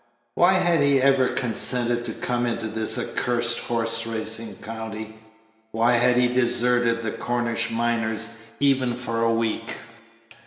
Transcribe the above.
Why had he ever consented to come into this accursed horse racing county? Why had he deserted the Cornish miners even for a week?